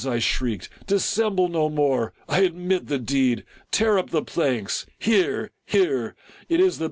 I shrieked, " dissemble no more! I admit the deed? — tear up the planks! — here, here! — it is the